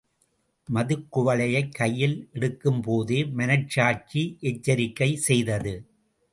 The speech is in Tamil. மதுக்குவளையைக் கையில் எடுக்கும்போதே மனசாட்சி எச்சரிக்கை செய்தது.